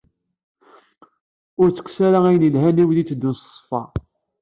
Ur ittekkes ara ayen yelhan i wid itteddun s ṣṣfa.